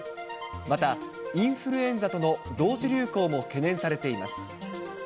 またインフルエンザとの同時流行も懸念されています。